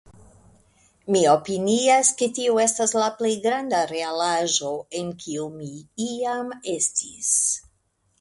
Mi opinias ke tio estas la plej granda realaĵo en kiu mi iam estis.